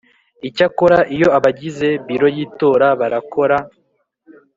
Icyakora iyo abagize biro y itora barakora